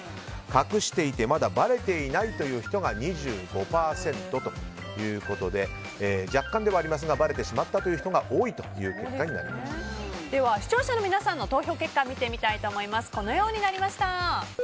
隠していてまだばれていないという人が２５％ということで若干ではありますがばれてしまったという人がでは視聴者の皆さんの投票結果見てみたいと思います。